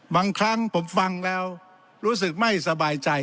บางครั้งผมฟังแล้วรู้สึกไม่สบายใจ